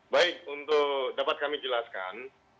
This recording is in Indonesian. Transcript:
baik untuk dapat kami jelaskan